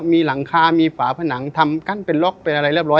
มีหลังคามีฝาผนังทำกั้นเป็นล็อกเป็นอะไรเรียบร